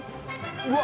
うわ！